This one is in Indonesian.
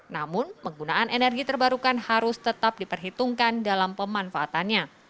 namun penggunaan energi terbarukan harus tetap diperhitungkan dalam pemanfaatannya